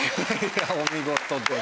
お見事です！